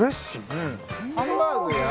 ハンバーグや？